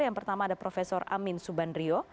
yang pertama ada prof amin subandrio